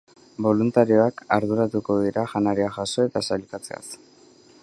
Boluntarioak arduratuko dira janaria jaso eta sailkatzeaz.